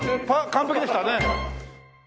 完璧でしたね。